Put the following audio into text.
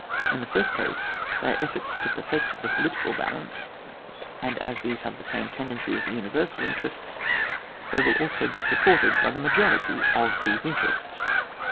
In the first case they are efforts to perfect the political balance, and as these have the same tendency as the xmiversal interests, they will also be supported by the majority of these interests.